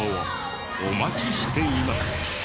お待ちしています。